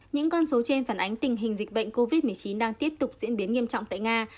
những con số trên phản ánh tình hình dịch bệnh covid một mươi chín đang tiếp tục diễn biến nghiêm trọng tại nga